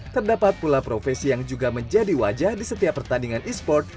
terdapat pula profesi yang juga menjadi wajah di setiap pertandingan e sport